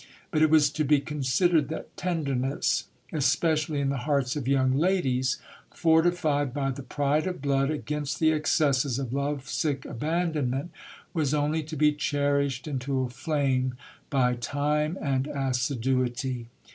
But it was to be considered that tenderness, especially in the hearts of young ladies, fortified by the pride of blood against the excesses of love sick abandonment, was only to be cherished into a flame by time and assiduity.